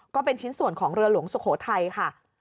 ก็เป็นชิ้นส่วนของเรือหลวงสุโขทัยค่ะ